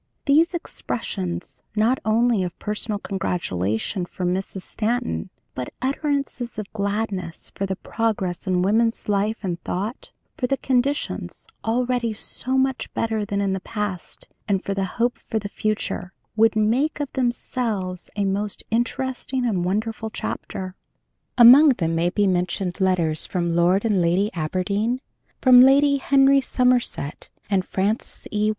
These expressions, not only of personal congratulation for Mrs. Stanton, but utterances of gladness for the progress in woman's life and thought, for the conditions, already so much better than in the past, and for the hope for the future, would make of themselves a most interesting and wonderful chapter. Among them may be mentioned letters from Lord and Lady Aberdeen, from Lady Henry Somerset and Frances E.